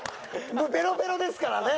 もうベロベロですからね。